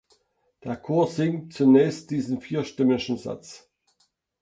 Der Chor singt zunächst diesen vierstimmigen Satz.